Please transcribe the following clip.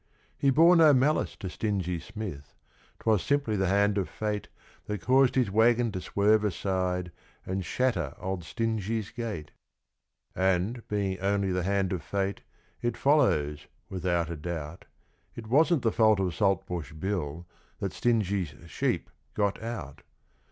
He bore no malice to Stingy Smith 'twas simply the hand of fate That caused his waggon to swerve aside and shatter old Stingy's gate; And, being only the hand of fate, it follows, without a doubt, It wasn't the fault of Saltbush Bill that Stingy's sheep got out.